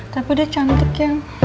tapi udah cantik ya